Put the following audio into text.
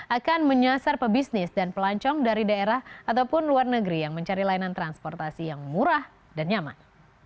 akan menyasar pebisnis dan pelancong dari daerah ataupun luar negeri yang mencari layanan transportasi yang murah dan nyaman